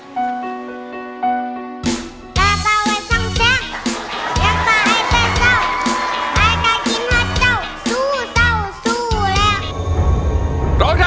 สู้เศร้าสู้แล้ว